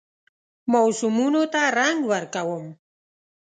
موسمونو ته رنګ ورکوم